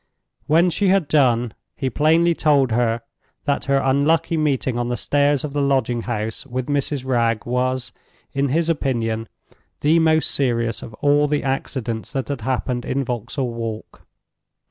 When she had done, he plainly told her that her unlucky meeting on the stairs of the lodging house with Mrs. Wragge was, in his opinion, the most serious of all the accidents that had happened in Vauxhall Walk.